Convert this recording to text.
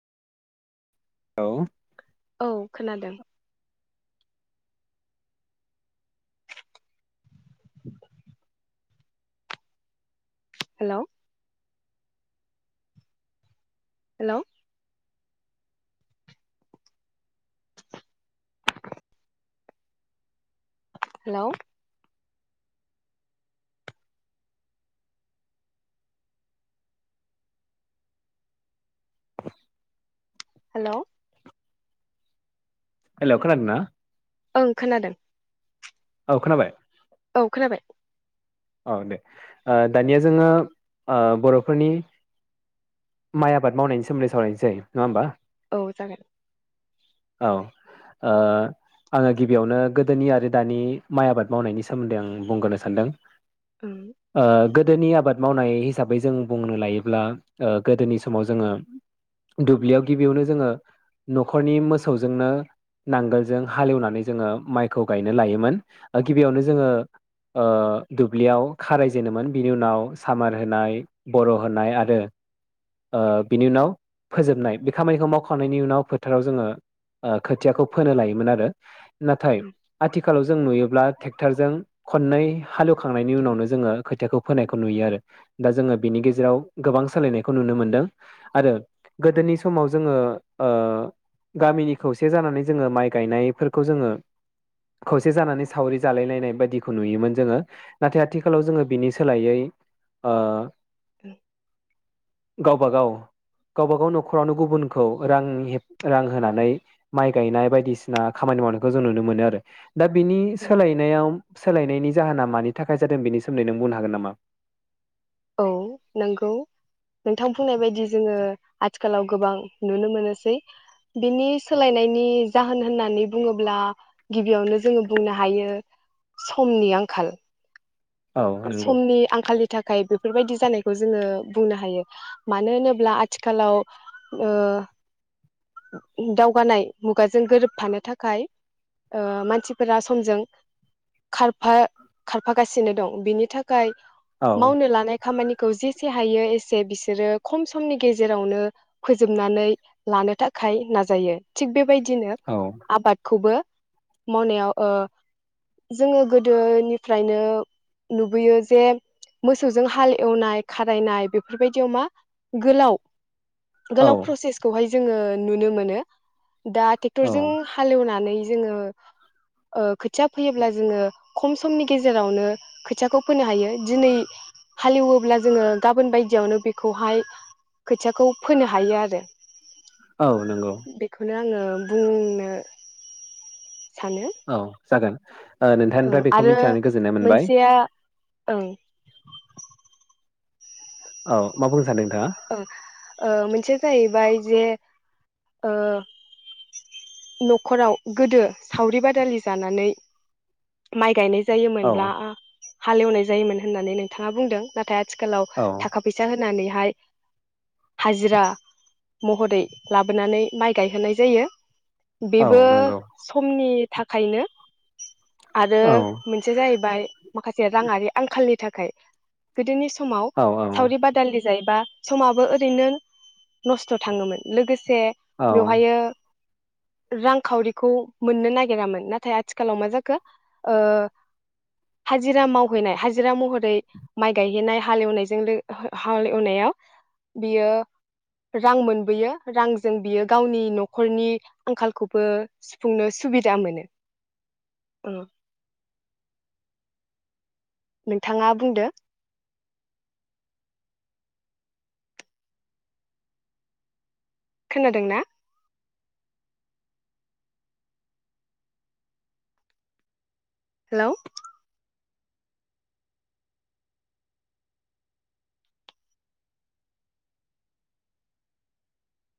औ औ खोनादों हेल हेल' हेल। हेल। हेल खोनादों ना? ओं खोनादों। औ खोनाबाय औ खोनाबाय औ दे ओ दानिया जोङो ओ बरफोरनि माइ आबाद मावनायनि सोमोन्दै सावरायनोसै नङा होमबा। औ जागोन औ ओ आंङो गिबियावनो गोदोनि आरो दानि माइ आबाद मावनायनि सोमोन्दै आं बुंग्रोनो सानदों। ओं ओ गोदोनि आबाद मावनाय हिसाबै जों बुंनो लायोब्ला ओ गोदोनि समाव जोङो दुब्लियाव गिबियावनो जोङो नखरनि मोसौजोंनो नांगोलजों हालेवनानै जोङो माइखौ गायनो लायोमोन गिबियावनो जोङो ओ दुब्लियाव खाराय जेनोमोन बिनि उनाव सामार होनाय बर होनाय आरो ओ बिनि उनाव फोजोबनाय बे खामानिखौ मावखांनायनि उनाव फोथाराव जोङो ओ खोथियाखौ फोनो लायोमोन आरो नाथाय ओं आथिखालाव जों नुयोब्ला टेक्टरजों खननै हालेवखांनायनि उनावनो जोङो खोथियाखौ फोनायखौ नुयो आरो दा जोङो बिनि गेजेराव गोबां सोलायनाय खौ नुनो मोनदों आरो गोदोनि समाव जोङो ओ गामिनि खौसे जानानै जोङो माइ गायनायफोरखौ जोङो खौसे जानानै सावरि जालाय लायनाय बायदिखौ नुयोमोन जोङो नाथाय आथिखालाव जोङो बिनि सोलायै ओ ओम गावबा-गाव, गावबा-गाव न'खरावनो गुबुनखौ रांनि हेब रां होनानै माइ गायनाय बायदिसिना खामानि मावनायखौ जों नुनो मोनो आरो । दा बिनि सोलायनायाव सोलायनायनि जाहोना मानि थाखाय जादों बेनि सोमोन्दै नों बुंनो हागोन नामा? औ नोंगौ नोंथां बुंनाय बायदि जोङो आथिखालाव गोबां नुनो मोनोसै बिनि सोलायनायनि जाहोन होननानै बुङोब्ला गिबियावनो जोङो बुंनो हायो समनि आंखाल औ नंगौ समनि आंखालि थाखाय बेफोरबायदि जानायखौ जोङो बुंनो हायो मानो होनोब्ला आथिखालाव ओ दावगानाय मुगाजों गोरोबफानो थाखाय ओ मानसिफोरा समजों खारफा खारफागासिनो दं । बिनि थाखाय औ मावनो लानाय खामानिखौ जिसे हायो एसे बिसोरो खम समनि गेजेरावनो फोजोबनानै लानो थाखाय नाजायो थिग बे बेबायदिनो औ आबादखौबो मनायाव ओ जोङो गोदोनिफ्रायनो नुबोयो जे मोसौजों हालौनाय खारायनाय बेफोरबायदियाव मा गोलाव औ गोलाव प्रसेसखौहाय जोङो नुनो मोनो दा टेक्टर औ जों हालौनानै जोङो ओ खोथिया फैयोब्ला जोङो खम समनि गेजेरावनो खोथियाखौ फोनो हायो दिनै हालेवोब्ला जोङो गाबोन बायदियावनो बेखौहाय खोथियाखौ फोनो हायो आरो । औ नंगौ । [unintelligible] बुंनो सानो औ जागोन। ओ औ नोंथांनिफ्राय बेखौ आरो मिथिनानै गोजोननाय मोनबाय मोनसेया ओं औ मा बुंनो सानदों? नोंथाङा ओ ओ मोनसेया जाहैबाय जे ओ न'खराव गोदो सावरि बादालि जानानै माय गायनाय औ जायोमोनब्ला हालेवनाय जायोमोन होन्नानै नोंथाङा बुंदों नाथाय आथिखालाव औ थाखा फैसा हो होननानैहाय हाजिरा महरै लाबोनानै माइ गायहोनाय जायो। औ बेबो नंगौ समनि थाखायनो आरो औ मोनसेया जाहैबाय माखासे राङारि आंखालनि थाख खाय गोदोनि सिख समाव औ औ सावरि बादालि जायबा समाबो ओरैनो नस्थ' थाङोमोन लोगोसे से औ बेवहायो रांखावरिखौ मोननो नागिरामोन नाथाय आथिखालाव मा जाखो ओ हाजिरा मावहैनाय हाजिरा महरै माइ गायहैनाय हाल एवनायजों लो हाल एवनायाव बियो रां मोनबोयो रांजों बियो गावनि न'खरनि आंखालखौबो सुफुंनो सुबिदा मोनो। औ। नोंथाङा बुंदो। खोनादोंना? हेलौ